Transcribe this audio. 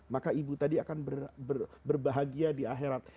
maka ibu tadi akan berbahagia di akhirat